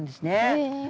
へえ。